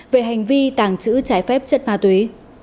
về hành vi tàng trữ trái phép chất ma túy